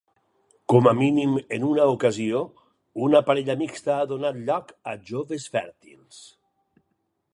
Com a mínim en una ocasió una parella mixta ha donat lloc a joves fèrtils.